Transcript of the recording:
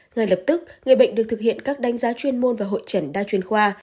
ngay lập tức người bệnh được thực hiện các đánh giá chuyên môn và hội trần đa chuyên khoa